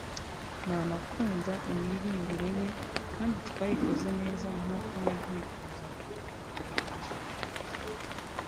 nkanakunda imiririmbire ye kandi twayikoze neza nk’uko nabyifuzaga